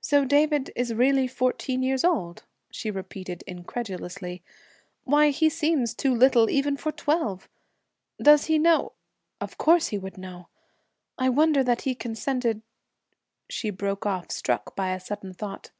'So David is really fourteen years old?' she repeated incredulously. 'Why, he seems too little even for twelve! Does he know? Of course he would know! I wonder that he consented ' She broke off, struck by a sudden thought.